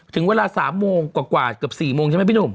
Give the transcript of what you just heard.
ถึงเวลาสามโมงกว่ากว่าเกือบสี่โมงใช่ไหมพี่หนุ่ม